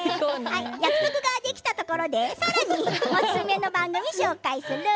約束ができたところでさらにおすすめの番組をご紹介する。